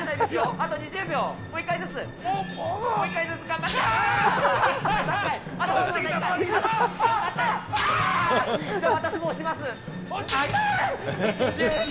あと２０秒。